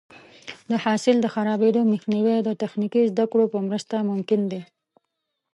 د حاصل د خرابېدو مخنیوی د تخنیکي زده کړو په مرسته ممکن دی.